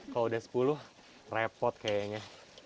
kalau udah sepuluh repot kayaknya